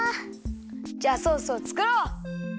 じゃあソースをつくろう！